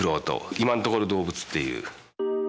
今のところ動物っていう。